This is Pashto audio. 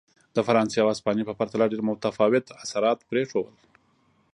د فرانسې او هسپانیې په پرتله ډېر متفاوت اثرات پرېښودل.